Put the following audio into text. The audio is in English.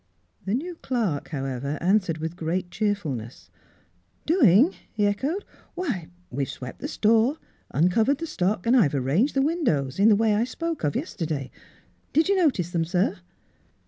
The new clerk, however, answered with great cheerfulness. "Doing?" he echoed. " WTiy, we've swept the store, uncovered the stock, and I've arranged the windows, in the way I spoke of yesterday. Did you notice them, sir?"